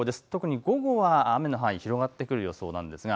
特に午後は雨の範囲、広がってくる予想です。